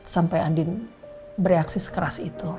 sampai andin bereaksi sekeras itu